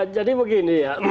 jadi begini ya